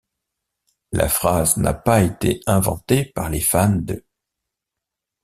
La phrase n'a pas été inventée par les fans de '.